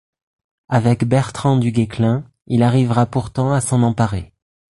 Avec Bertrand du Guesclin, il arrivera pourtant à s'en emparer.